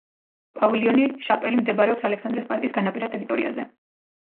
პავილიონი შაპელი მდებარეობს ალექსანდრეს პარკის განაპირა ტერიტორიაზე.